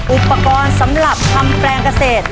อุปกรณ์สำหรับทำแปลงเกษตร